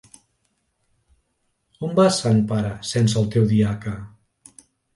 On vas, sant pare, sense el teu diaca?